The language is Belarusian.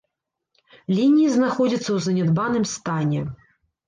Лініі знаходзяцца ў занядбаным стане.